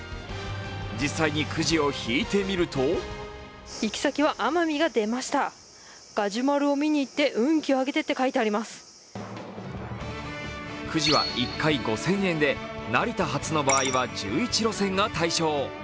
実際にくじを引いてみるとくじは１回５０００円で成田発の場合は１１路線が対象。